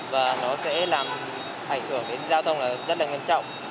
và nó sẽ làm hạnh phúc đến giao thông là rất là nguyên trọng